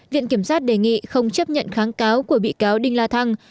viện kiểm sát đề nghị không chấp nhận kháng cáo của bị cáo đinh la thăng